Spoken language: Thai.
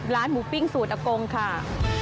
ร้านหมูปิ้งสูตรอักกงค่ะ